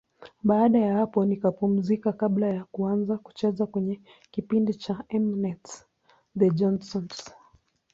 Baada ya hapo nikapumzika kabla ya kuanza kucheza kwenye kipindi cha M-net, The Johnsons.